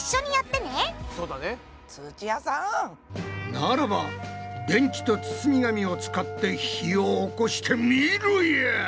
ならば電池と包み紙を使って火をおこしてみろや！